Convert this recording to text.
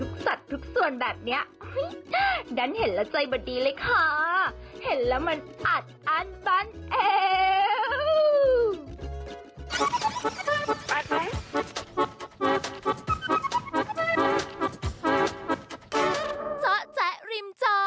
โปรดติดตามต่อไป